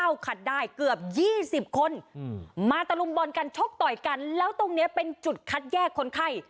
ขัดได้เกือบ๒๐คนมาตะลุมบอลกันชกต่อยกันแล้วตรงนี้เป็นจุดคัดแยกคนไข้